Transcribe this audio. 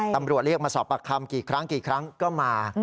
ตำรวจเรียกมาสอบปากคำกี่ครั้งกี่ครั้งก็มา